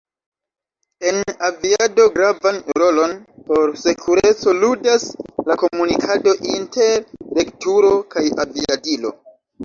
En aviado gravan rolon por sekureco ludas la komunikado inter regturo kaj aviadilo.